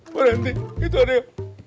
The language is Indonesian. berhenti itu ada